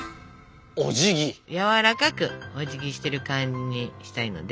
やわらかくおじぎしてる感じにしたいので。